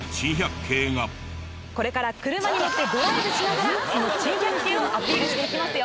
これから車に乗ってドライブしながらその珍百景をアピールしていきますよ！